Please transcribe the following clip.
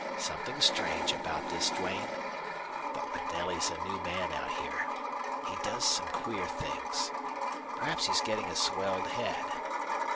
Something strange about this, Duane. But MacNelly's a new man out here. He does some queer things. Perhaps he's getting a swelled head.